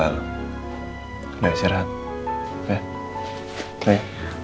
untuk acara bergelut banget